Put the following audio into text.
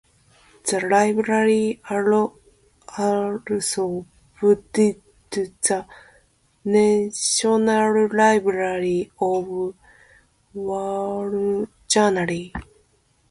The Library also publishes the "National Library of Wales Journal".